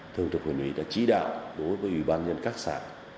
thường trực huyện huyện đã trí đạo đối với bàn nhân các sản